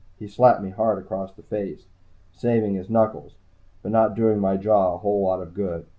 He slapped me hard across the face, saving his knuckles, but not doing my jaw a whole lot of good.